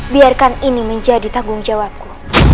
biarkan ini menjadi tanggung jawabku